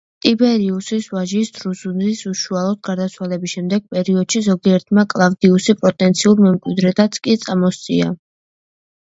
ტიბერიუსის ვაჟის, დრუზუსის უშუალოდ გარდაცვალების შემდეგ პერიოდში, ზოგიერთმა კლავდიუსი პოტენციურ მემკვიდრედაც კი წამოსწია.